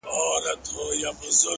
ورته شعرونه وايم ـ